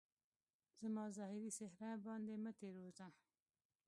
زما ظاهري څهره باندي مه تیروځه